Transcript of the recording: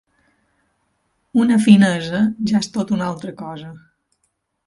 Una finesa ja és tota una altra cosa.